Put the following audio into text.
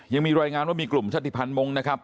ยังมีรายงานว่ามีกลุ่มชาติภัณฑ์มงค์นะครับ